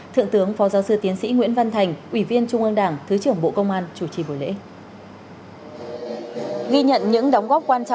thượng tướng phó giáo sư tiến sĩ nguyễn văn thành ủy viên trung ương đảng thứ trưởng bộ công an chủ trì buổi lễ